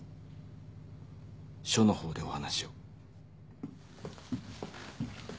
署の方でお話を。